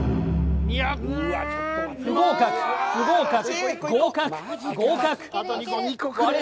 不合格不合格合格合格割れ